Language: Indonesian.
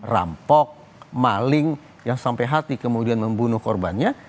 rampok maling yang sampai hati kemudian membunuh korbannya